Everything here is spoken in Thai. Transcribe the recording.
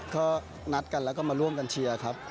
ก็นัดกันแล้วก็มาร่วมกันเชียร์ครับ